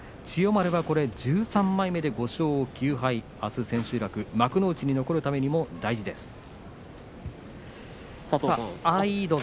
千代丸は、１３枚目で５勝９敗あす千秋楽幕内に残るためにも大事です。